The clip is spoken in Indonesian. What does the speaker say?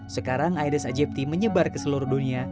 sekarang aedes aegypti menyebar ke seluruh dunia